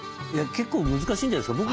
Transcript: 結構難しいんじゃないですか。